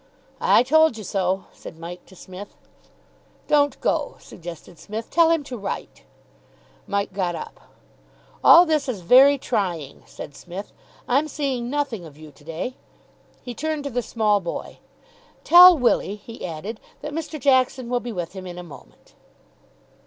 "I told you so," said Mike to Psmith. "Don't go," suggested Psmith. "Tell him to write." Mike got up. "All this is very trying," said Psmith. "I'm seeing nothing of you to day." He turned to the small boy. "Tell Willie," he added, "that Mr. Jackson will be with him in a moment."